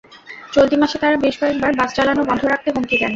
চলতি মাসে তাঁরা বেশ কয়েক বার বাস চালানো বন্ধ রাখতে হুমকি দেন।